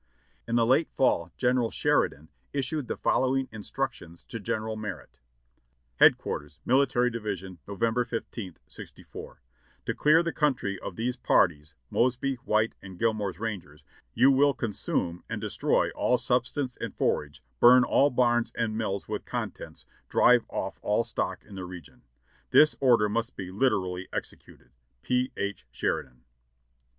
In the late fall General Sheridan issued the following instructions to General Merritt : "Hd. Mil. Div., Nov. 15th, '64. "To clear the country of these parties (Mosby, White and Gil mor's Rangers) you will consume and destroy all substance and for age, burn all barns and mills with contents, drive off all stock in the region. "This order must be literally executed. "P. H. Sheridan."